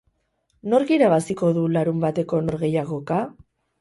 Nork irabaziko du larunbateko norgehiagoka?